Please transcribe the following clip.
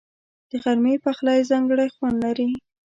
د غرمې پخلی ځانګړی خوند لري